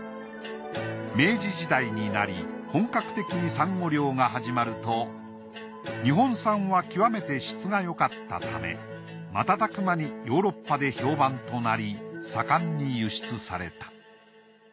明治時代になり本格的にサンゴ漁が始まると日本産は極めて質が良かったため瞬く間にヨーロッパで評判となりさかんに輸出された。